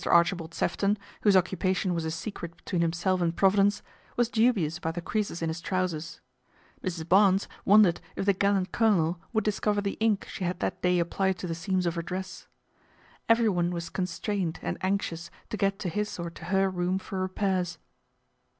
Archibald Sefton, whose occupation was a secret between himself and Provi dence, was dubious about the creases in his trousers ; Mrs. Barnes wondered if the gallant colonel would discover the ink she had that day applied to the seams of her dress. Everyone was constrained and anxious to get to his or to her room for repairs.